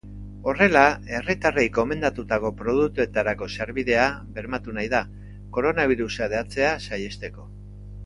Horrela, herritarrei gomendatutako produktuetarako sarbidea bermatu nahi da, koronabirusa hedatzea saihesteko.